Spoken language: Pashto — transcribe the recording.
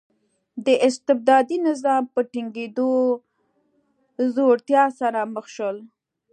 د استبدادي نظام په ټینګېدو ځوړتیا سره مخ شو.